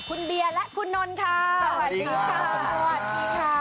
คุณเบียร์และคุณนนท์ค่ะสวัสดีค่ะสวัสดีค่ะ